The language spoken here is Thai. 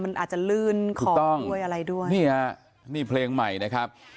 มันอาจจะลื่นของด้วยอะไรด้วยนี่ฮะนี่เพลงใหม่นะครับ